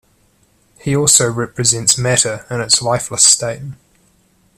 He also represents matter in its lifeless state.